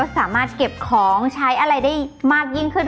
สามารถเก็บของใช้อะไรได้มากยิ่งขึ้น